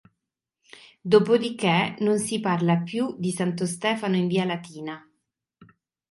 Dopo di che non si parla più di Santo Stefano in Via Latina.